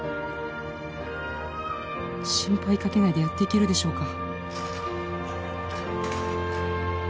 「心配かけないでやっていけるでしょうか？」